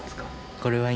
これは今。